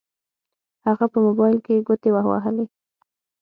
هغه په موبايل کې ګوتې ووهلې.